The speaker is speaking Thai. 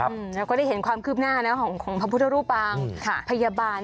เราก็ได้เห็นความคืบหน้าของพระพุทธรูปังพยาบาล